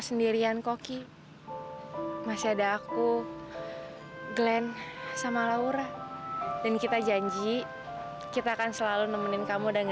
sampai jumpa di video selanjutnya